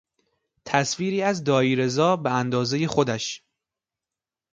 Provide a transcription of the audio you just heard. تصویری از دایی رضا به اندازهی خودش